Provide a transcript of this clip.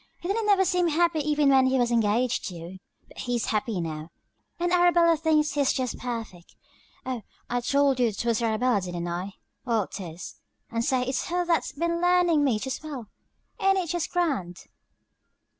He didn't never seem happy even when he was engaged to you. But hes happy now, and Arabella thinks hes jest perfect. Oh, I told you twas Arabella didn't I? Well, tis. And say its her thats been learnin me to spell. Ain't it jest grand?"